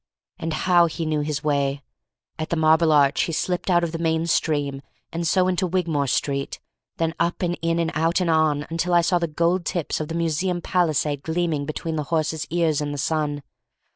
And how he knew his way! At the Marble Arch he slipped out of the main stream, and so into Wigmore Street, then up and in and out and on until I saw the gold tips of the Museum palisade gleaming between the horse's ears in the sun.